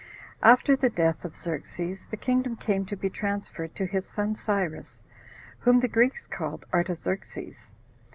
1. After the death of Xerxes, the kingdom came to be transferred to his son Cyrus, whom the Greeks called Artaxerxes.